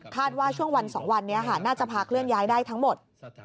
ว่าช่วงวัน๒วันนี้น่าจะพาเคลื่อนย้ายได้ทั้งหมด